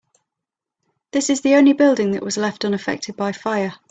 This is the only building that was left unaffected by fire.